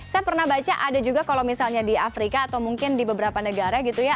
saya pernah baca ada juga kalau misalnya di afrika atau mungkin di beberapa negara gitu ya